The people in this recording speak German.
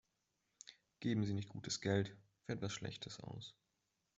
Geben Sie nicht gutes Geld für etwas Schlechtes aus.